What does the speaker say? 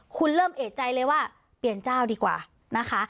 คุณเริ่มเอกใจเลยว่าเปลี่ยนเจ้าดีกว่านะคะ